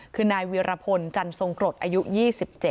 คือนายเวียรพลจันทรงกรดอายุ๒๗